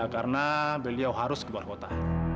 karena beliau harus ke bar kota